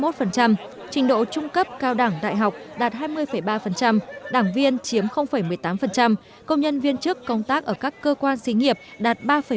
trình độ trung cấp cao đẳng đại học đạt hai mươi ba đảng viên chiếm một mươi tám công nhân viên chức công tác ở các cơ quan xí nghiệp đạt ba năm